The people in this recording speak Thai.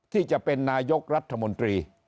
ที่จะเป็นนายกรัฐมนตรี